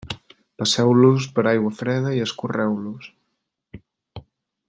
Passeu-los per aigua freda i escorreu-los.